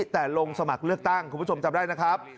แต่ลงสมัครเลือกตั้งคุณผู้ชมจำได้นะครับ